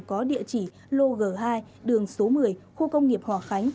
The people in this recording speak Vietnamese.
có địa chỉ lô g hai đường số một mươi khu công nghiệp hòa khánh